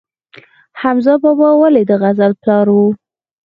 حمزه بابا ولې د غزل پلار و؟